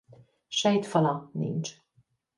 Sejtfala nincs.